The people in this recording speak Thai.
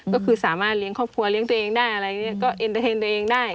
ก็คือสามารถเลี้ยงครอบครัวเลี้ยงตัวเองได้อะไรอย่างนี้ก็เอ็นเตอร์เทนตัวเองได้